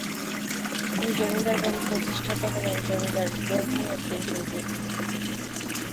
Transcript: এই জমিদার বাড়ির প্রতিষ্ঠাতা হলেন জমিদার বোরহানউদ্দিন চৌধুরী।